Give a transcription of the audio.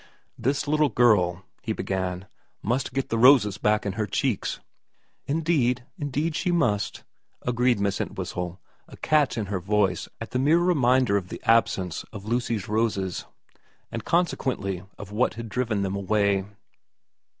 ' This little girl,' he began, ' must get the roses back into her cheeks.' ' Indeed, indeed she must,' agreed Miss Entwhistle, a catch in her voice at the mere reminder of the absence of Lucy's roses, and consequently of what had driven them away.